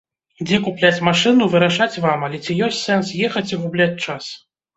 Дзе купляць машыну, вырашаць вам, але ці ёсць сэнс ехаць і губляць час?